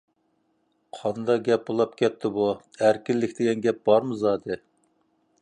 قانداق گەپ بولۇپ كەتتى بۇ؟ ئەركىنلىك دېگەن بارمۇ زادى؟